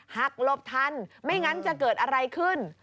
หลบทันไม่งั้นจะเกิดอะไรขึ้น